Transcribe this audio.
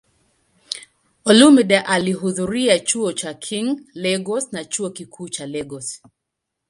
Olumide alihudhuria Chuo cha King, Lagos na Chuo Kikuu cha Lagos.